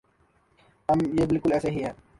یہ بالکل ایسے ہی ہے۔